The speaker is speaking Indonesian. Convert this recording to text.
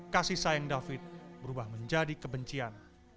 kasih sayang david berubah menjadi kebencian